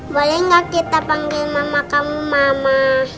boleh nggak kita panggil mama kamu mama